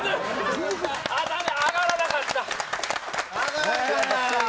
頭が上がらなかった。